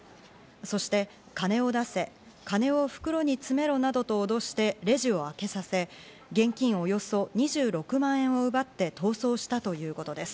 そしてカネを出せ、カネを袋に詰めろなどとおどして、レジを開けさせ、現金およそ２６万円を奪って逃走したということです。